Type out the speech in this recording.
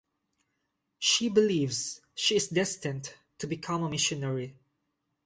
She believes she is destined to become a missionary.